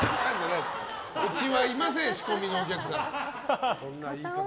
うちはいません仕込みのお客さん。